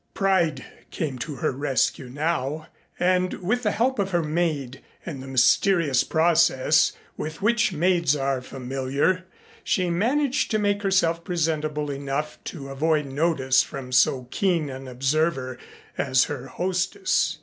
Pride came to her rescue now, and with the help of her maid and the mysterious process with which maids are familiar she managed to make herself presentable enough to avoid notice from so keen an observer as her hostess.